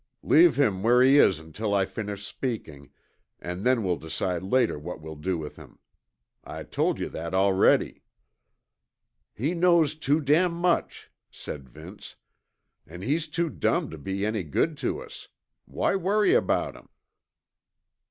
"Leave him where he is until I finish speaking, and then we'll decide later what we'll do with him. I told you that already." "He knows too damn much," said Vince, "an' he's too dumb to be any good to us. Why worry about him?"